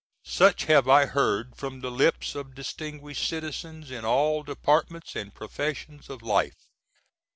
Such have I heard from the lips of distinguished citizens in all departments & professions of life.